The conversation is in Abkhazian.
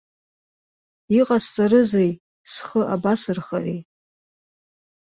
Иҟасҵарызеи, схы абасырхари?